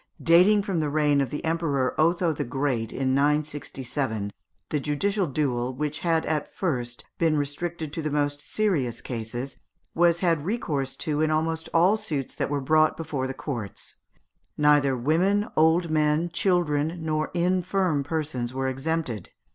Dating from the reign of the Emperor Otho the Great in 967, the judicial duel, which had been at first restricted to the most serious cases, was had recourse to in almost all suits that were brought before the courts. Neither women, old men, children, nor infirm persons were exempted.